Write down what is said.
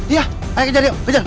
iya ayo kejar yuk kejar